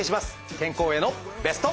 健康へのベスト。